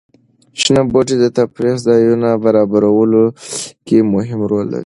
شنه بوټي د تفریح ځایونو برابرولو کې مهم رول لري.